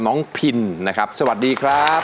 พินนะครับสวัสดีครับ